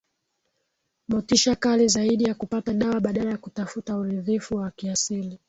motisha kali zaidi za kupata dawa badala ya kutafuta uridhifu wa kiasili